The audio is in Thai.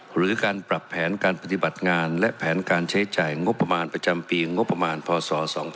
หรือการปรับแผนการปฏิบัติงานและแผนการใช้จ่ายงบประมาณประจำปีงบประมาณพศ๒๕๖